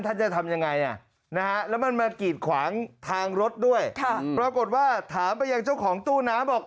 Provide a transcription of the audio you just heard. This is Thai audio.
จะทำยังไงแล้วมันมากีดขวางทางรถด้วยปรากฏว่าถามไปยังเจ้าของตู้น้ำบอก